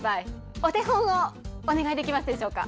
お手本をお願いできますでしょうか？